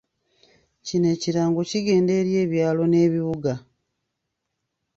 Kino ekirango kigenda eri ebyalo n’ebibuga.